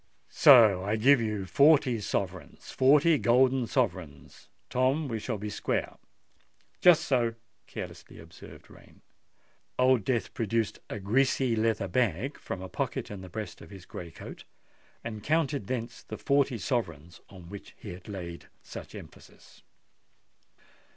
So if I give you forty sovereigns—forty golden sovereigns, Tom—we shall be square." "Just so," carelessly observed Rain. Old Death produced a greasy leather bag from a pocket in the breast of his grey coat, and counted thence the forty sovereigns on which he had laid such emphasis.